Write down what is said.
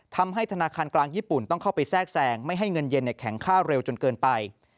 ทำให้ธนาคารกลางญี่ปุ่นต้องเข้าไปแทรกแซงไม่ให้เงินเย็นแข็งค่าเร็วจนเกินไป